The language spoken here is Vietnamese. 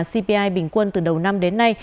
cpi bình quân từ đầu năm đến nay